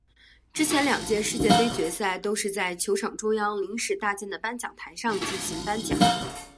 之前两届世界杯决赛都是在球场中央临时搭建的颁奖台上进行颁奖。